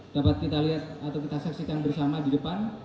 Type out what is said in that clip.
dapat kita lihat atau kita saksikan bersama di depan